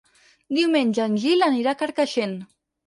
Diumenge en Gil anirà a Carcaixent.